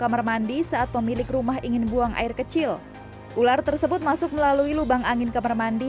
kamar mandi saat pemilik rumah ingin buang air kecil ular tersebut masuk melalui lubang angin kamar mandi